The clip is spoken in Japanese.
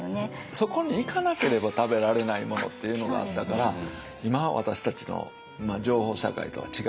そこに行かなければ食べられないものっていうのがあったから今私たちの情報社会とは違うと思いますよね。